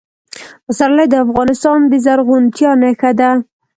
پسرلی د افغانستان د زرغونتیا نښه ده.